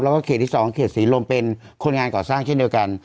แล้วก็เขตที่๒เขตศรีลมเป็นคนงานก่อสร้างเช่นเดียวกัน